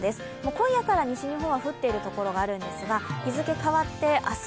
今夜から西日本は降っているところがあるんですが日付変わって明日